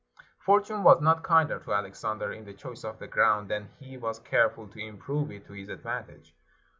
Fortune was not kinder to Alexander in the choice of the ground, than he was careful to improve it to his advantage.